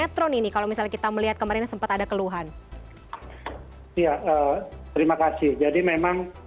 terima kasih jadi memang